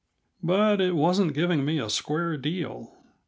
But it wasn't giving me a square deal.